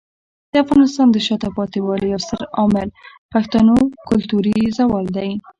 د افغانستان د شاته پاتې والي یو ستر عامل پښتنو کلتوري زوال دی.